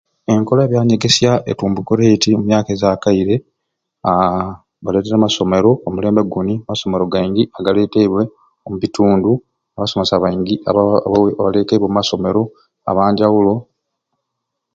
Enkola ya byanyegesya etumbukire eti omu myaka ezaakaire aa baleetere amasomero omulembe guni, amasomero gaingi agaleeteibwe omu bitundu abasomesa baingi aba aba abaleeteibwe omu masomero abanjawulo.